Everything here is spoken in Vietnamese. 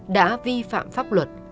đã vi phạm pháp luật